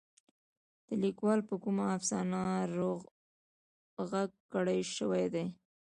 د ليکوال په کومه افسانه رغ کړے شوې ده.